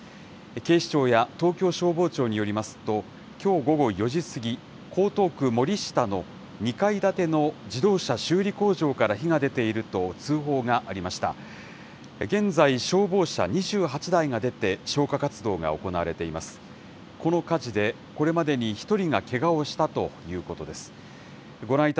警視庁や東京消防庁によりますと、きょう午後４時過ぎ、江東区森下の２階建ての自動車修理工場から火が出ていると通報がありました。